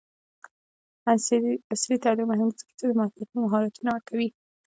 عصري تعلیم مهم دی ځکه چې د مارکیټینګ مهارتونه ورکوي.